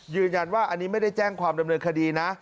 ยืนยันว่าอันนี้ไม่ได้แจ้งความดำเนินคดีนะ